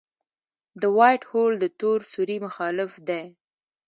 د وائټ هول د تور سوري مخالف دی.